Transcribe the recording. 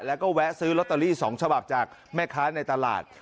แล้วก็แวะซื้อลอตเตอรี่๒ฉบับจากแม่ค้าในตลาด